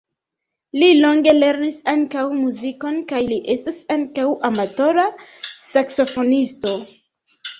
Li longe lernis ankaŭ muzikon kaj li estas ankaŭ amatora saksofonisto.